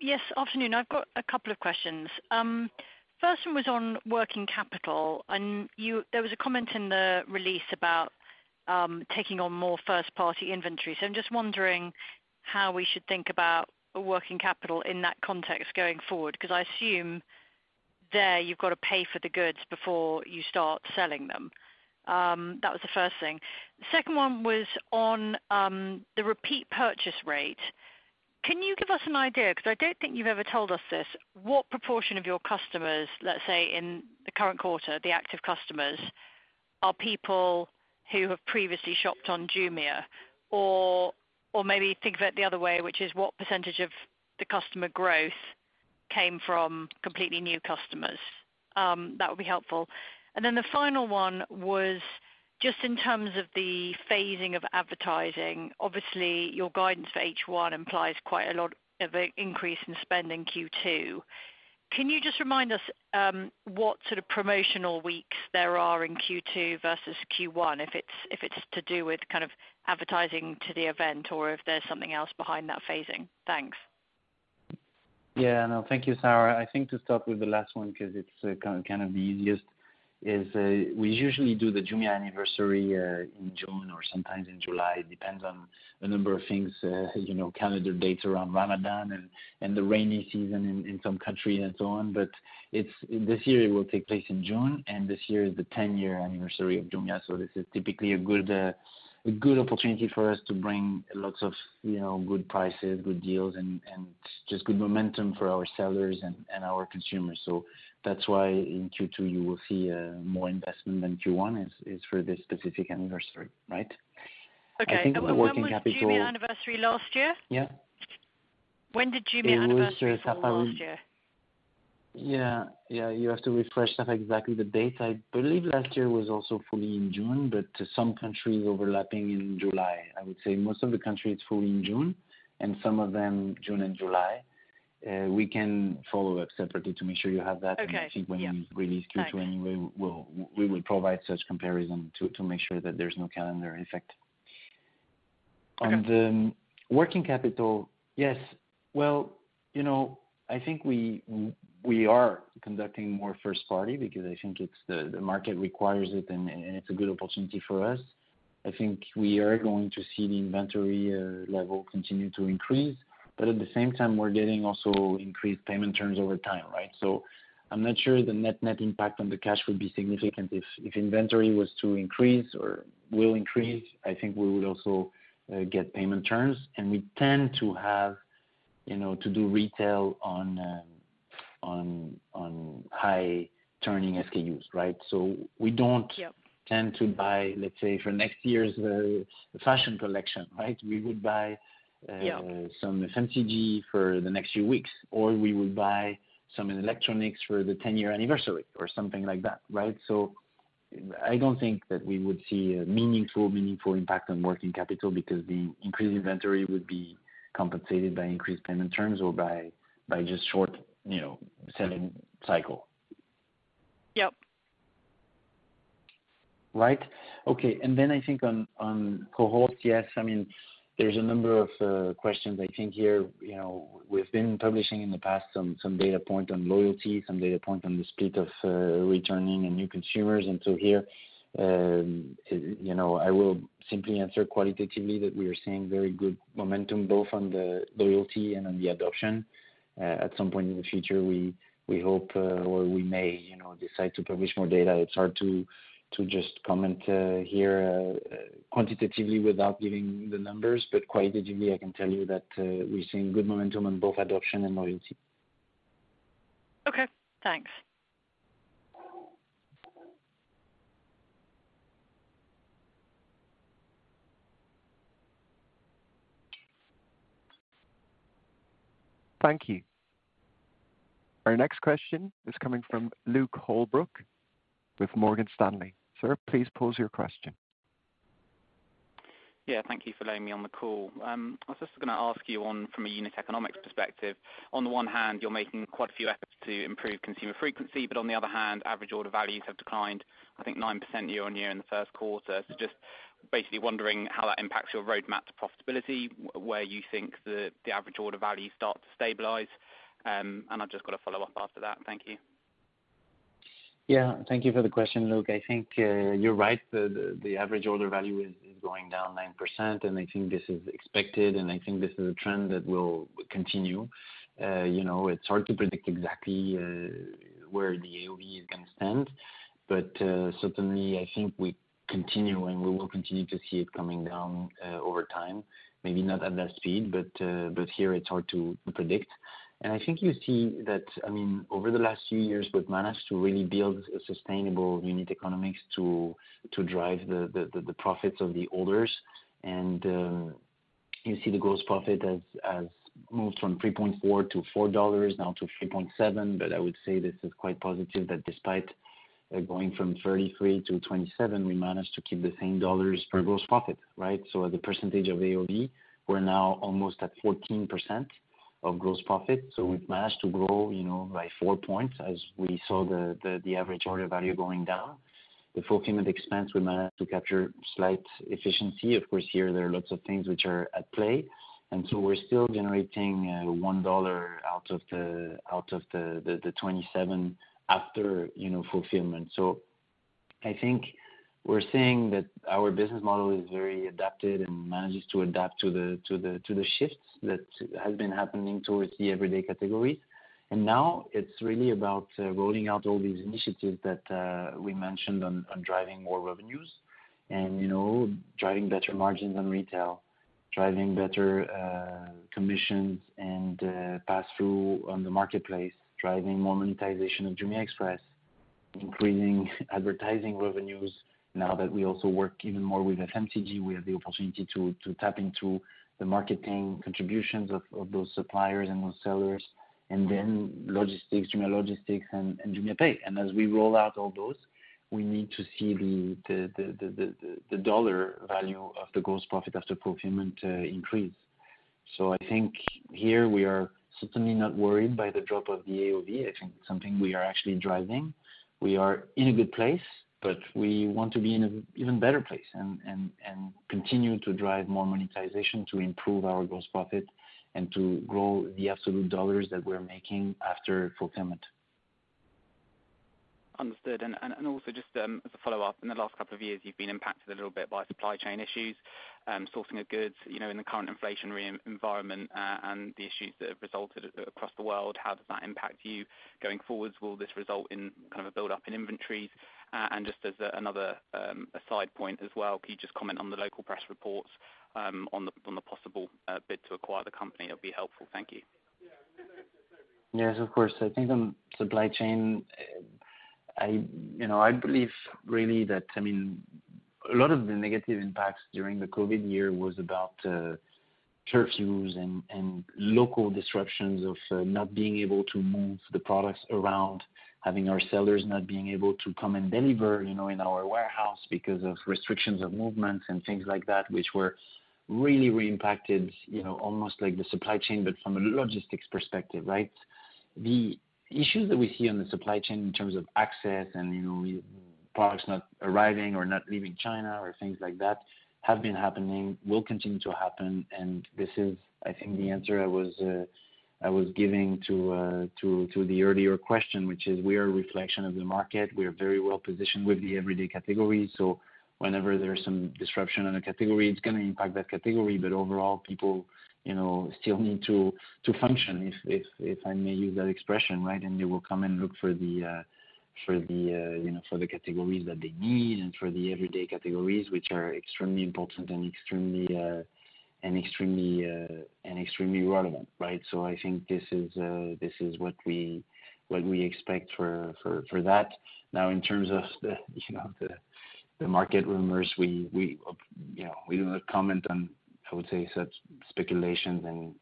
Speaker 8: Yes. Afternoon. I've got a couple of questions. First one was on working capital, and there was a comment in the release about taking on more first party inventory. So I'm just wondering how we should think about working capital in that context going forward, 'cause I assume there you've got to pay for the goods before you start selling them. That was the first thing. The second one was on the repeat purchase rate. Can you give us an idea, 'cause I don't think you've ever told us this. What proportion of your customers, let's say, in the current quarter, the active customers, are people who have previously shopped on Jumia? Or maybe think of it the other way, which is what percentage of the customer growth came from completely new customers? That would be helpful. The final one was just in terms of the phasing of advertising. Obviously, your guidance for H1 implies quite a lot of increase in spend in Q2. Can you just remind us what sort of promotional weeks there are in Q2 versus Q1, if it's to do with kind of advertising to the event or if there's something else behind that phasing? Thanks.
Speaker 3: Yeah. No. Thank you, Sarah. I think to start with the last one, 'cause it's kind of the easiest, we usually do the Jumia Anniversary in June or sometimes in July. It depends on a number of things, you know, calendar dates around Ramadan and the rainy season in some countries and so on. This year it will take place in June, and this year is the 10-year anniversary of Jumia. So this is typically a good opportunity for us to bring lots of, you know, good prices, good deals and just good momentum for our sellers and our consumers. So that's why in Q2 you will see more investment than Q1 is for this specific anniversary, right?
Speaker 8: Okay.
Speaker 3: I think on working capital.
Speaker 8: When was Jumia Anniversary, last year?
Speaker 3: Yeah.
Speaker 8: When did Jumia Anniversary fall last year?
Speaker 3: It was, yeah, you have to refresh that exactly the date. I believe last year was also fully in June, but some countries overlapping in July. I would say most of the countries it's fully in June, and some of them June and July. We can follow up separately to make sure you have that.
Speaker 8: Okay. Yeah.
Speaker 3: I think when we release Q2 anyway, we will provide such comparison to make sure that there's no calendar effect.
Speaker 8: Okay.
Speaker 3: On the working capital. Yes. Well, you know, I think we are conducting more first party because I think it's the market requires it and it's a good opportunity for us. I think we are going to see the inventory level continue to increase, but at the same time, we're getting also increased payment terms over time, right? So I'm not sure the net net impact on the cash will be significant. If inventory was to increase or will increase, I think we would also get payment terms. We tend to have, you know, to do retail on high turning SKUs, right? So we don't.
Speaker 8: Yeah.
Speaker 3: tend to buy, let's say, for next year's, fashion collection, right? We would buy,
Speaker 8: Yeah.
Speaker 3: Some FMCG for the next few weeks, or we would buy some electronics for the 10-year anniversary or something like that, right? I don't think that we would see a meaningful impact on working capital because the increased inventory would be compensated by increased payment terms or by just short, you know, selling cycle.
Speaker 8: Yep.
Speaker 3: Right. Okay. I think on cohort. Yes. I mean, there's a number of questions I think here. You know, we've been publishing in the past some data point on loyalty, some data point on the split of returning and new consumers. Here, you know, I will simply answer qualitatively that we are seeing very good momentum both on the loyalty and on the adoption. At some point in the future, we hope or we may, you know, decide to publish more data. It's hard to just comment here quantitatively without giving the numbers. Qualitatively, I can tell you that we're seeing good momentum on both adoption and loyalty.
Speaker 8: Okay, thanks.
Speaker 1: Thank you. Our next question is coming from Luke Holbrook with Morgan Stanley. Sir, please pose your question.
Speaker 9: Yeah, thank you for letting me on the call. I was just gonna ask you on from a unit economics perspective, on the one hand, you're making quite a few efforts to improve consumer frequency, but on the other hand, average order values have declined, I think 9% year-over-year in the first quarter. Just basically wondering how that impacts your roadmap to profitability, where you think the average order value starts to stabilize. I've just got a follow-up after that. Thank you.
Speaker 3: Yeah, thank you for the question, Luke. I think you're right. The average order value is going down 9%, and I think this is expected, and I think this is a trend that will continue. You know, it's hard to predict exactly where the AOV is gonna stand. Certainly I think we continue and we will continue to see it coming down over time. Maybe not at that speed, but here it's hard to predict. I think you see that, I mean, over the last few years, we've managed to really build a sustainable unit economics to drive the profits of the orders. You see the gross profit has moved from $3.4 to $4, now to $3.7. I would say this is quite positive, that despite going from $33 to $27, we managed to keep the same dollars per gross profit, right? So as a percentage of AOV, we're now almost at 14% of gross profit. So we've managed to grow, you know, by 4 points as we saw the average order value going down. The fulfillment expense, we managed to capture slight efficiency. Of course, here there are lots of things which are at play, and so we're still generating $1 out of the $27 after, you know, fulfillment. So I think we're seeing that our business model is very adapted and manages to adapt to the shifts that has been happening towards the everyday category. Now it's really about rolling out all these initiatives that we mentioned on driving more revenues and, you know, driving better margins on retail, driving better commissions and pass through on the marketplace, driving more monetization of Jumia Express, increasing advertising revenues. Now that we also work even more with FMCG, we have the opportunity to tap into the marketing contributions of those suppliers and those sellers, and then logistics, Jumia Logistics and JumiaPay. As we roll out all those, we need to see the dollar value of the gross profit after procurement increase. So I think here we are certainly not worried by the drop of the AOV. I think it's something we are actually driving. We are in a good place, but we want to be in an even better place and continue to drive more monetization to improve our gross profit and to grow the absolute dollars that we're making after fulfillment.
Speaker 9: Understood. Also just as a follow-up, in the last couple of years, you've been impacted a little bit by supply chain issues, sourcing of goods, you know, in the current inflationary environment, and the issues that have resulted across the world. How does that impact you going forward? Will this result in kind of a buildup in inventories? And just as another side point as well, can you just comment on the local press reports, on the possible bid to acquire the company? That'd be helpful. Thank you.
Speaker 3: Yes, of course. I think on supply chain, you know, I believe really that, I mean, a lot of the negative impacts during the COVID year was about curfews and local disruptions of not being able to move the products around, having our sellers not being able to come and deliver, you know, in our warehouse because of restrictions of movements and things like that, which were really re-impacted, you know, almost like the supply chain, but from a logistics perspective, right? The issues that we see on the supply chain in terms of access and, you know, products not arriving or not leaving China or things like that have been happening, will continue to happen. This is, I think, the answer I was giving to the earlier question, which is we are a reflection of the market. We are very well positioned with the everyday category. Whenever there's some disruption in a category, it's gonna impact that category. Overall, people, you know, still need to function, if I may use that expression, right? They will come and look for the, you know, for the categories that they need and for the everyday categories, which are extremely important and extremely relevant, right? I think this is what we expect for that. Now, in terms of the, you know, the market rumors, we, you know, we will not comment on, I would say, such speculations.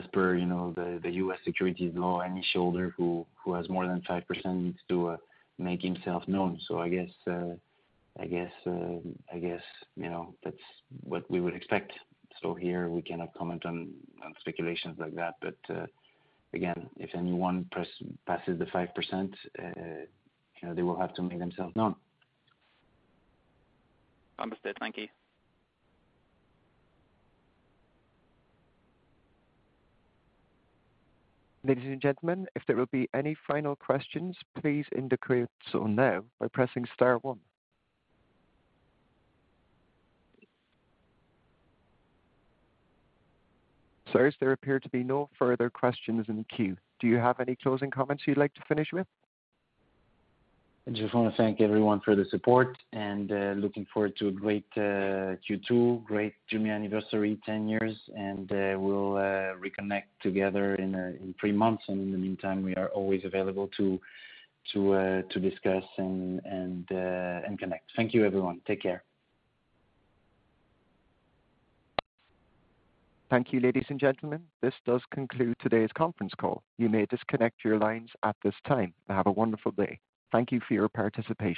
Speaker 3: As per, you know, the U.S. securities law, any shareholder who has more than 5% needs to make himself known. I guess, you know, that's what we would expect. Here we cannot comment on speculations like that. Again, if anyone passes the 5%, you know, they will have to make themselves known.
Speaker 9: Understood. Thank you.
Speaker 1: Ladies and gentlemen, if there will be any final questions, please indicate so now by pressing star one. Sirs, there appear to be no further questions in the queue. Do you have any closing comments you'd like to finish with?
Speaker 3: I just wanna thank everyone for the support, and looking forward to a great Q2, great Jumia Anniversary, 10 years. We'll reconnect together in three months. In the meantime, we are always available to discuss and connect. Thank you, everyone. Take care.
Speaker 1: Thank you, ladies and gentlemen. This does conclude today's conference call. You may disconnect your lines at this time. Have a wonderful day. Thank you for your participation.